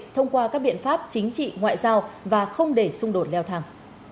thông qua các biện pháp chính trị ngoại giao và không để xung đột leo thang